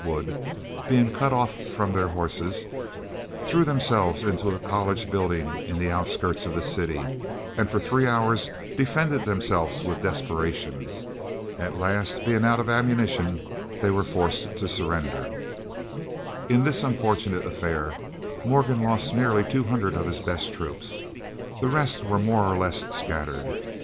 Wood being cut off from their horses, threw themselves into a college building in the outskirts of the city, and for three hours defended themselves with desperation. At last being out of ammunition they were forced to surrender. In this unfortunate affair Morgan lost nearly two hundred of his best troops. The rest were more or less scattered.